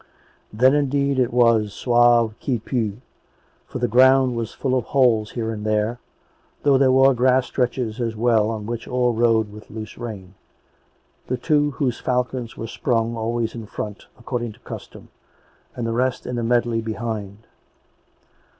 Then, indeed, it was sauve qui pent, for the ground was full of holes here and there, though there were grass stretches as well on which all rode with loose rein, the two whose falcons were sprung always in front, according to custom, and the rest in a medley behind.